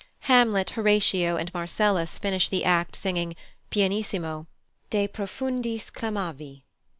Hamlet, Horatio, and Marcellus finish the act singing, pianissimo, "De profundis clamavi."